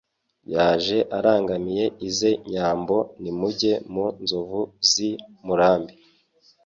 Yaje arangamiye ize nyambo Nimujye mu nzovu z' i Murambi